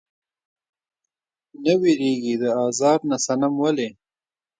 نۀ ويريږي د ازار نه صنم ولې؟